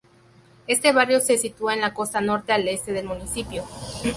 Este barrio se sitúa en la costa norte al este del municipio.